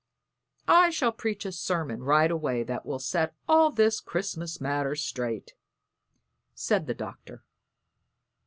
I shall preach a sermon right away that will set all this Christmas matter straight," said the Doctor.